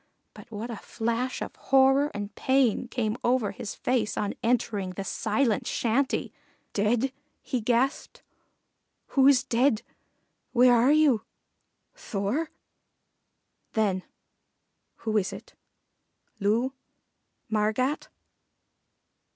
But what a flash of horror and pain came over his face on entering the silent shanty! "Dead?" he gasped. "Who's dead where are you? Thor?" Then, "Who is it? Loo? Margat?"